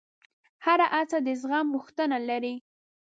هره هڅه د زغم غوښتنه لري.